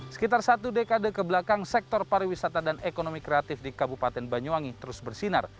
sekitar satu dekade kebelakang sektor pariwisata dan ekonomi kreatif di kabupaten banyuwangi terus bersinar